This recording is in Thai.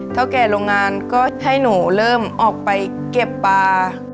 เท่าแก่โรงงานก็ให้หนูเริ่มออกไปเก็บปลา